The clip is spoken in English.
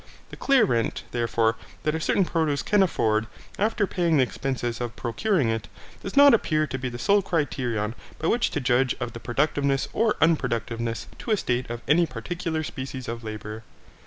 The clear rent, therefore, that a certain produce can afford, after paying the expenses of procuring it, does not appear to be the sole criterion, by which to judge of the productiveness or unproductiveness to a state of any particular species of labour.